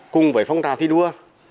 cùng với phong tàu thi đua